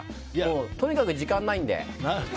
とにかく時間がないので。